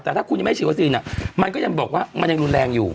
แต่ถ้าคุณยังไม่ฉีดวัคซีนมันก็ยังบอกว่ามันยังรุนแรงอยู่